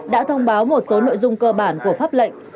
đã thông báo một số nội dung cơ bản của pháp lệnh